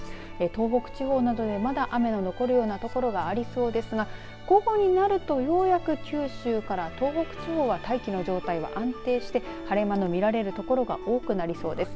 東北地方などで、まだ雨の降ることがありそうですが、午後になると、ようやく九州から東北地方は大気の状態が安定して晴れ間の見られる所が多くなりそうです。